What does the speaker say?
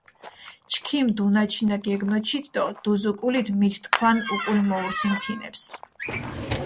ჩქიმ დუნაჩინა გეგნოჩით დო დუზუკულით მით თქვან უკულ მოურსინ თინეფს.